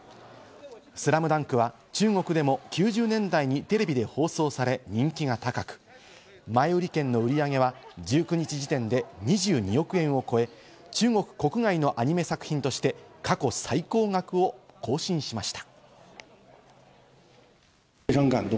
『ＳＬＡＭＤＵＮＫ』は中国でも９０年代にテレビで放送され人気が高く、前売り券の売り上げは１９日時点で２２億円を超え、中国国外のアニメ作品として過去最高額を更新しました。